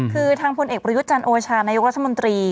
คือทางพลเอกประยุทธ์จันทร์โอชานายกรัฐมนตรี